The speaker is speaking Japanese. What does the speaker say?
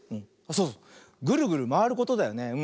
そうそうグルグルまわることだよね。